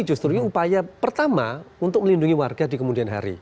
justru ini upaya pertama untuk melindungi warga di kemudian hari